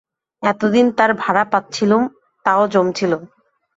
এতদিন তার ভাড়া পাচ্ছিলুম, তাও জমছিল।